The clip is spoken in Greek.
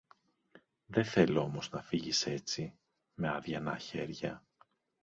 Δε θέλω όμως να φύγεις έτσι, με αδειανά χέρια.